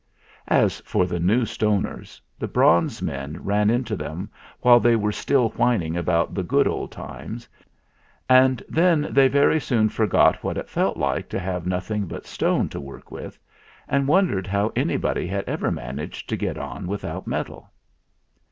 As for the New Stoners, the Bronze men ran into them while they were still whining about the good old times; and then they very soon forgot what it felt like to have nothing but stone to work with, and wondered how anybody had ever managed to get on with out metal.